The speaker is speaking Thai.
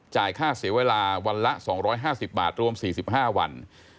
ค่าเสียเวลาวันละ๒๕๐บาทรวม๔๕วัน